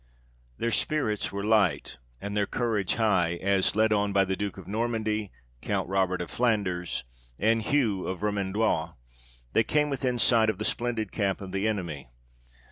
Their spirits were light and their courage high, as, led on by the Duke of Normandy, Count Robert of Flanders, and Hugh of Vermandois, they came within sight of the splendid camp of the enemy.